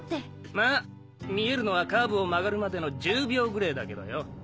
まぁ見えるのはカーブを曲がるまでの１０秒ぐれぇだけどよ。